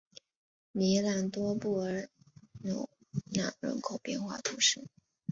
米朗多布尔纽纳人口变化图示